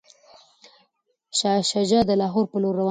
شاه شجاع د لاهور په لور روان شو.